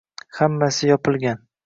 Hammasi yopilgan